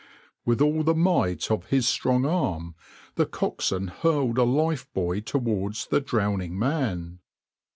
\par With all the might of his strong arm the coxwain hurled a lifebuoy towards the drowning man.